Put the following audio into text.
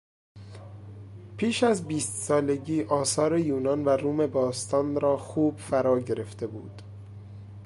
پیش از بیست سالگی آثار یونان و روم باستان را خوب فرا گرفته بود.